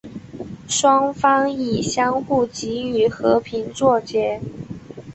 双方以相互给予和平作结。